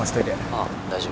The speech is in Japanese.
ああ大丈夫。